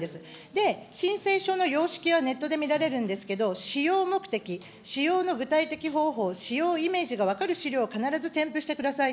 で、申請書の様式はネットで見られるんですけれども、使用目的、使用の具体的方法、使用イメージが分かる資料をかならず添付してください。